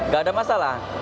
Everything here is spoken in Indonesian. gak ada masalah